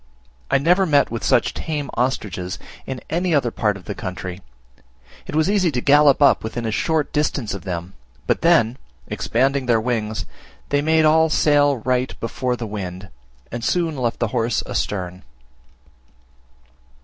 I never met with such tame ostriches in any other part of the country: it was easy to gallop up within a short distance of them; but then, expanding their wings, they made all sail right before the wind, and soon left the horse astern.